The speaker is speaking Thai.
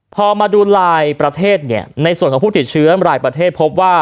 พอมาดูลายประเทศเนี่ยในส่วนของผู้ติดเชื้อรายประเทศพบว่า